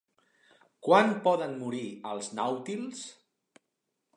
Quan poden morir els nàutils?